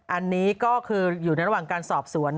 อันนี้ก็คืออยู่ในระหว่างการสอบสวน